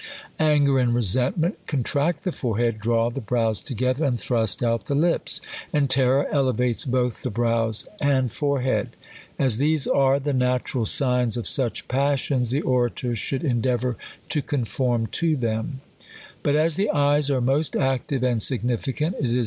Anger and resentment contract the forehead, draw the brows together, and thrust out the lips. And terror elevates both the brows and forehead. As these are. 22 THE COLUMBIAN ORATOR. are the natural signs of such passions, the orator should endeavour to conform to thenr. But as the eyes are most active and significant, it is